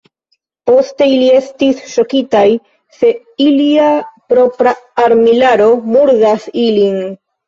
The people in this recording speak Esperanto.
Poste ili estas ŝokitaj, se ilia propra armilaro murdas ilin.